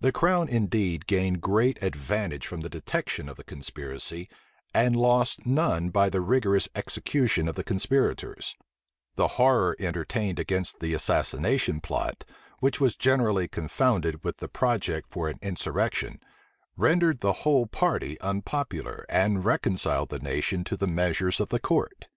The crown, indeed, gained great advantage from the detection of the conspiracy, and lost none by the rigorous execution of the conspirators: the horror entertained against the assassination plot, which was generally confounded with the project for an insurrection, rendered the whole party unpopular and reconciled the nation to the measures of the court.